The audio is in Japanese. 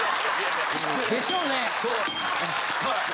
でしょうね。